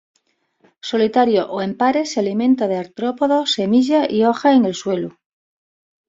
Solitario o en pares, se alimenta de artrópodos, semillas y hojas en el suelo.